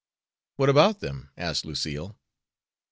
"What about them?" asked Lucille.